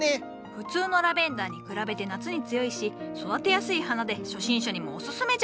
普通のラベンダーに比べて夏に強いし育てやすい花で初心者にもオススメじゃ！